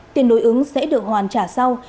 tiền đối ứng sẽ được hoàn trả sau